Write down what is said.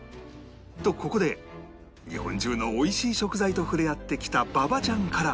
とここで日本中の美味しい食材と触れ合ってきた馬場ちゃんから